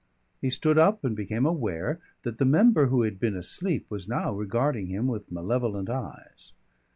He stood up and became aware that the member who had been asleep was now regarding him with malevolent eyes.